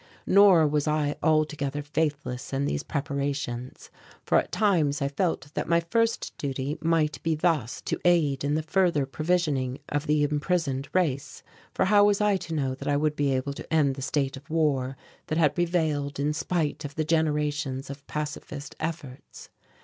Nor was I altogether faithless in these preparations for at times I felt that my first duty might be thus to aid in the further provisioning of the imprisoned race, for how was I to know that I would be able to end the state of war that had prevailed in spite of the generations of pacifist efforts?